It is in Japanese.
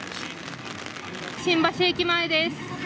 新橋駅前です。